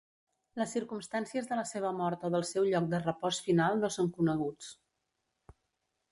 Les circumstàncies de la seva mort o del seu lloc de repòs final no són coneguts.